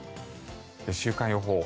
週間予報。